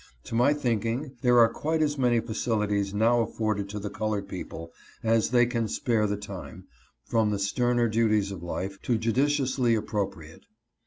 To my thinking, there are quite as many facilities now afforded to the colored people as they can spare the time, from the sterner duties of life, to judiciously appropiate.